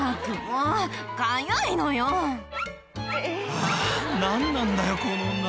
はぁ何なんだよこの女。